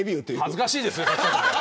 恥ずかしいですよ。